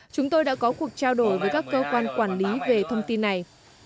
chúng tôi đã có cuộc trao đổi với các cơ quan quản lý về thông tin này